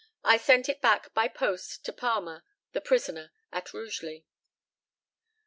I sent it back by post to Palmer, the prisoner, at Rugeley.